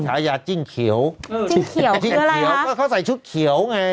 ฉายาจิ้งเขียวเออจิ้งเขียวคืออะไรฮะเขาใส่ชุดเขียวไง